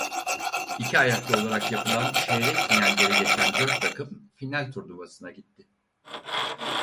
İki ayaklı olarak yapılan çeyrek finalleri geçen dört takım final turnuvasına gitti.